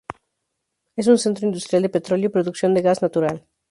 Es un centro industrial de petróleo y producción de gas natural.